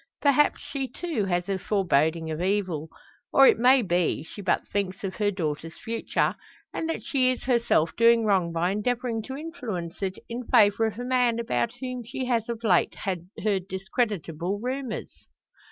Perhaps she too, has a foreboding of evil; or, it may be, she but thinks of her daughter's future, and that she is herself doing wrong by endeavouring to influence it in favour of a man about whom she has of late heard discreditable rumours.